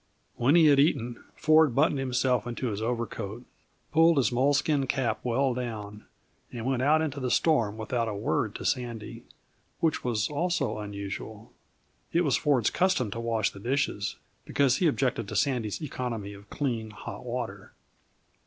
When he had eaten, Ford buttoned himself into his overcoat, pulled his moleskin cap well down, and went out into the storm without a word to Sandy, which was also unusual; it was Ford's custom to wash the dishes, because he objected to Sandy's economy of clean, hot water.